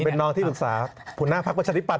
ผมเป็นน้องที่ศึกษาผู้น่าพักประชาธิบัติ